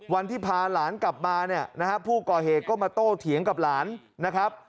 วันที่พาหลานกลับมาเนี่ยนะฮะผู้ก่อเหตุก็มาโต้เถียงกับหลานนะครับ